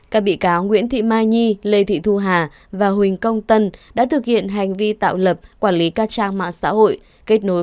các bị cáo nguyễn thị mai nhi lê thị thu hà và huỳnh công tân đã thực hiện hành vi tạo lập quản lý các trang mạng xã hội